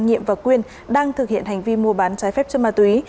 nhiệm và quyên đang thực hiện hành vi mua bán trái phép chất ma túy